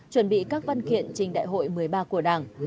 chuẩn bị các văn kiện trình đại hội một mươi ba của đảng